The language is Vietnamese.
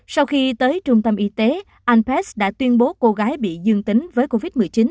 sau khi tới trung tâm y tế alpest đã tuyên bố cô gái bị dương tính với covid một mươi chín